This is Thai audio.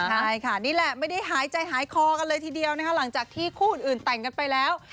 ใช่ค่ะนี่แหละไม่ได้หายใจหายคอกันเลยทีเดียวนะคะหลังจากที่คู่อื่นแต่งกันไปแล้ว